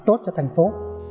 tốt cho thành phố